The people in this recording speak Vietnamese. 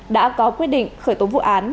đã có quyết định khởi tố vụ án